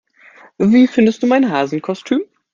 Wie findest du mein Hasenkostüm?